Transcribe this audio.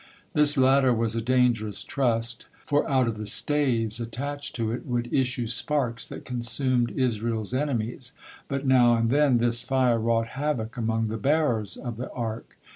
This latter was a dangerous trust, for out of the staves attached to it would issue sparks that consumed Israel's enemies, but now and then this fire wrought havoc among the bearers of the Ark.